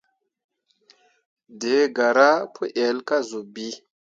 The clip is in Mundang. Dǝǝ garah pu ell kah zun bii.